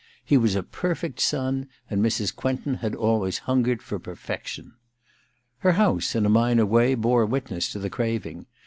He was a perfect son, and Mrs. Quentin had always hungered for perfection. Her house, in a minor way, bore witness to the craving.